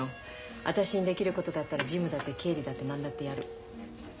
私にできることだったら事務だって経理だって何だってやる。